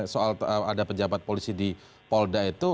soal ada pejabat polisi di polda itu